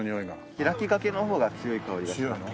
開きかけの方が強い香りがします。